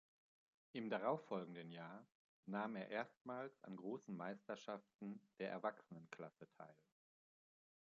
Im darauffolgenden Jahr nahm er erstmals an großen Meisterschaften der Erwachsenenklasse teil.